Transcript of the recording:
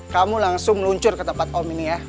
kamu langsung meluncur ke tempat om ini ya